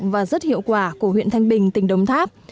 và rất hiệu quả của huyện thanh bình tỉnh đồng tháp